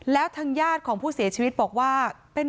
แล้วทางญาติของผู้เสียชีวิตบอกว่า